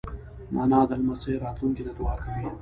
انا د لمسیو راتلونکې ته دعا کوي